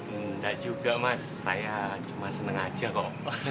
enggak juga mas saya cuma seneng aja kok